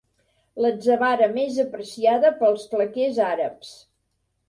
L'atzavara més apreciada pels flequers àrabs.